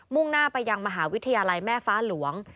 ่งหน้าไปยังมหาวิทยาลัยแม่ฟ้าหลวง